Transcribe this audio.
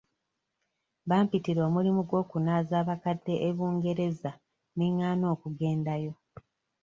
Bampitira omulimu gw'okunaaza abakadde e Bungereza ne ngaana okugendayo.